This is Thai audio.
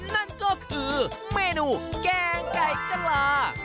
นั่นก็คือเมนูแกงไก่กะลา